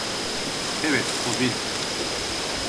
Evet, o benim.